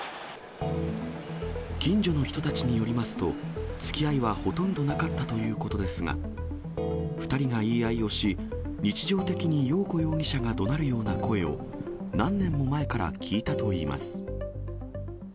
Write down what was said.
近所の人たちによりますと、つきあいはほとんどなかったということですが、２人が言い合いをし、日常的によう子容疑者がどなるような声を、何年も前から聞いたといいます。